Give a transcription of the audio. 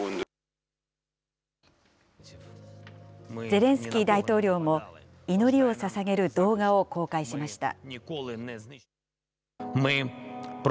ゼレンスキー大統領も、祈りをささげる動画を公開しました。